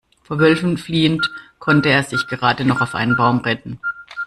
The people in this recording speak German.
Vor Wölfen fliehend konnte er sich gerade noch auf einen Baum retten.